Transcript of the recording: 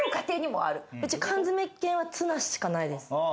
うち缶詰系は、ツナしかないです。